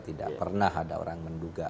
tidak pernah ada orang menduga